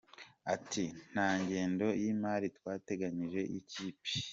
Ati “Nta ngengo y’imari twateganyije y’ikipe.